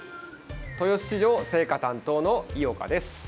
豊洲市場青果担当の井岡です。